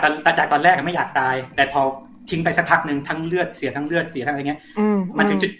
ตาจากตอนแรกไม่อยากตายแต่พอทิ้งไปสักพักนึงทั้งเลือดเสียทั้งเลือดเสียทั้งอะไรอย่างนี้